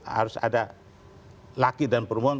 harus ada laki dan perempuan